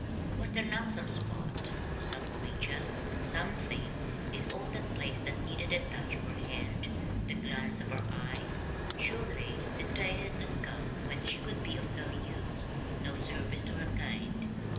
Was there not some spot, some creature, some thing, in all that place that needed the touch of her hand, the glance of her eye? Surely the day had not quite come when she could be of no use, no service to her kind!